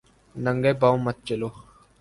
ننگے پاؤں مت چلو